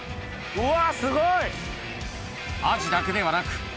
うわ。